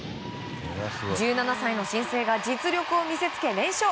１７歳の新星が実力を見せつけ連勝。